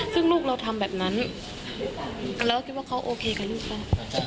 ซึ่งลูกเราทำแบบนั้นเราก็คิดว่าเขาโอเคกับลูกเขา